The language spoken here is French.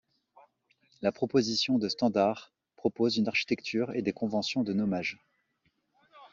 La proposition de standard propose une architecture et des conventions de nommages.